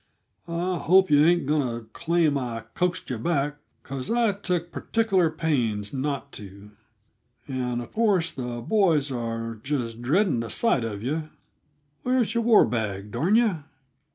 "I hope yuh ain't going to claim I coaxed yuh back, because I took particular pains not to. And, uh course, the boys are just dreading the sight of yuh. Where's your war bag, darn yuh?"